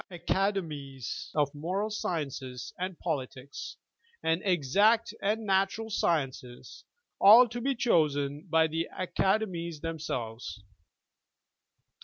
Academies of Moral Sciences and Politics, and Exact and Natural Sciences — all to be chosen by the Acade mies themselves.